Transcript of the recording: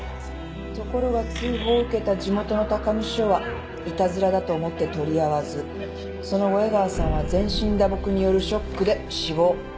ところが通報を受けた地元の高見署はいたずらだと思って取り合わずその後江川さんは全身打撲によるショックで死亡。